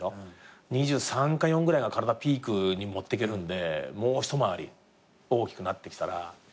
２３か２４ぐらいが体ピークに持っていけるんでもう一回り大きくなってきたら。